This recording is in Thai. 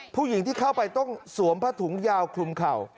ผู้หญิงที่เข้าไปต้องสวมผ้าถุงยาวคลุมเข่า